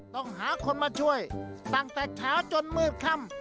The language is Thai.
ต้องหาคนมาช่วยตั้งแต่เช้าจนมืดค่ำ